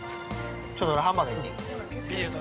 ちょっと俺、ハンバーガーいっていい？